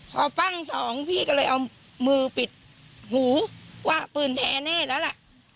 พอปั้งสองพี่ก็เลยเอามือปิดหูว่าปืนแท้แน่แล้วล่ะ